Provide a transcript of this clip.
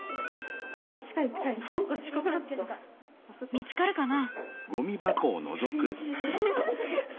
見つかるかな？